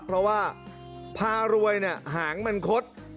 เพราะว่าภารวยเนี่ยหางมันคด